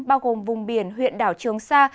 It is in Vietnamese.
bao gồm vùng biển huyện đảo trường sa